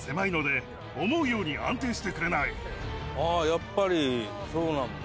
やっぱりそうなんだ。